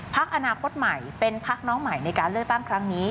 พักอนาคตใหม่เป็นพักน้องใหม่ในการเลือกตั้งครั้งนี้